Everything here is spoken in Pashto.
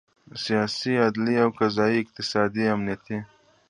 سیاسي، عدلي او قضایي، اقتصادي، امنیتي